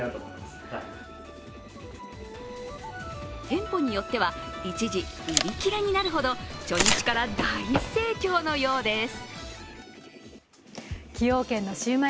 店舗によっては一時売り切れになるほど初日から大盛況のようです。